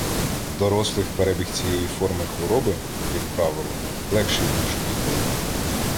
В дорослих перебіг цієї форми хвороби, як правило, легший, ніж у дітей.